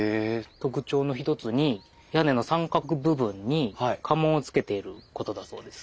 特徴の一つに屋根の三角部分に家紋をつけていることだそうです。